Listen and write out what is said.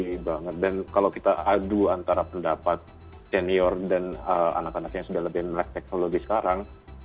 terus kalau kita adu antara pendapat senior dan anak anak yang sudah latihan melepaskan teknologi sekarang